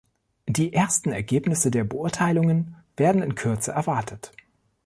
Die ersten Ergebnisse der Beurteilungen werden in Kürze erwartet.